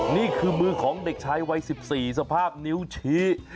นี่คือมือของเด็กชายวัย๑๔สภาพนิ้วชี้